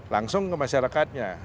langsung ke masyarakatnya